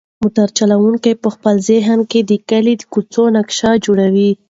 موټر چلونکی په خپل ذهن کې د کلي د کوڅو نقشه جوړوي.